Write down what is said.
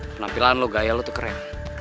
penampilan lo gaya lo tuh keren